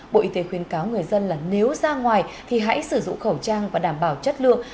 bộ y tế khuyên cáo người dân là nếu ra ngoài thì hãy sử dụng khẩu trang và đảm bảo chất lượng